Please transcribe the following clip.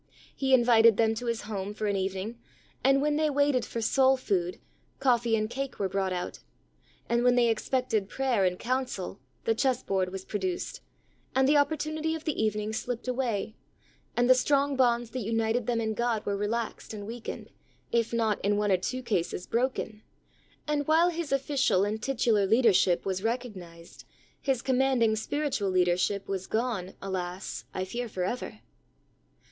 He invited them to his home for an evening, and when they waited for soul food, cofifee and cake were brought out; and when they expected prayer and counsel the chess board was produced, and the opportunity of the evening slipped away, and the strong bonds that united them in God were relaxed and weakened^ if not in one or two cases broken, and while his official and titular leadership was recognized SPIRITUAL LEADERSHIP. 45 his commanding spiritual leadership was gone, alas! I fear forever.